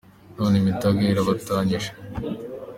None imitaga irabatanyije